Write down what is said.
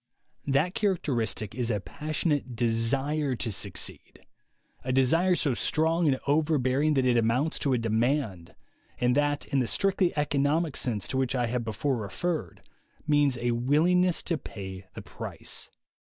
That characteristic is a passionate desire to succeed, a desire so strong and overbearing that it amounts to a demand, and that, in the strictly economic sense to which I have before referred, means a willingness to pay the price.